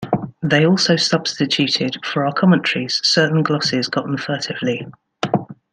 They also substituted for our commentaries certain glosses gotten furtively.